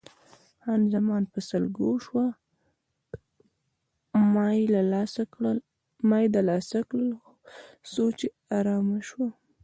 خان زمان په سلګو شوه، ما یې دلاسا کړل څو چې آرامه شوه.